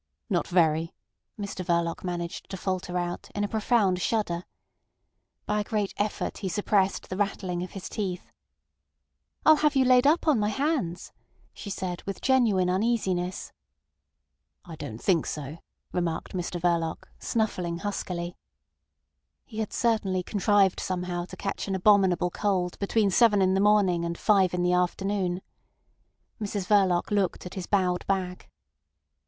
"Not very," Mr Verloc managed to falter out, in a profound shudder. By a great effort he suppressed the rattling of his teeth. "I'll have you laid up on my hands," she said, with genuine uneasiness. "I don't think so," remarked Mr Verloc, snuffling huskily. He had certainly contrived somehow to catch an abominable cold between seven in the morning and five in the afternoon. Mrs Verloc looked at his bowed back.